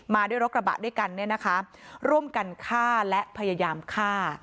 ด้วยรถกระบะด้วยกันเนี่ยนะคะร่วมกันฆ่าและพยายามฆ่า